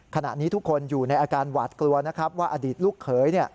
ขณะนี้ทุกคนอยู่ในอาการหวาดกลัวนะครับว่าอดีตลูกเขย